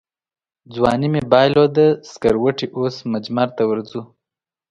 ځواني مې بایلوده سکروټې اوس مجمرته ورځو